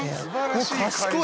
賢い！